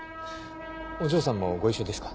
お嬢さんもご一緒ですか？